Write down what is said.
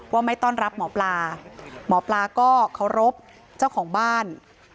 ไม่ต้อนรับหมอปลาหมอปลาก็เคารพเจ้าของบ้าน